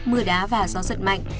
mưa đá và gió giật mạnh